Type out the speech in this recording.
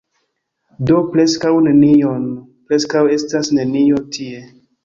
Do preskaŭ nenion... preskaŭ estas nenio tie.